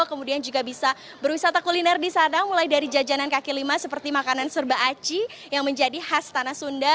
kemudian juga bisa berwisata kuliner di sana mulai dari jajanan kaki lima seperti makanan serba aci yang menjadi khas tanah sunda